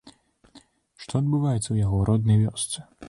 Што адбываецца ў ягонай роднай вёсцы?